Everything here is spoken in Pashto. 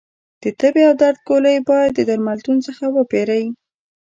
د تبې او درد ګولۍ باید درملتون څخه وپېری